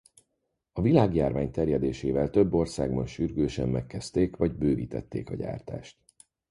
A világjárvány terjedésével több országban sürgősen megkezdték vagy bővítették a gyártást.